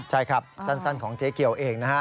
ใช่ครับสั้นของเจ๊เกียวเองนะฮะ